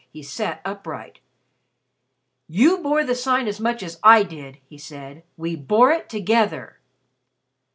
He sat upright. "You bore the Sign as much as I did," he said. "We bore it together."